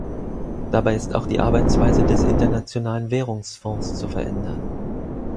Dabei ist auch die Arbeitsweise des Internationalen Währungsfonds zu verändern.